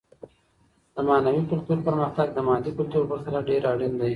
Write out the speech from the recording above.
د معنوي کلتور پرمختګ د مادي کلتور په پرتله ډېر اړين دی.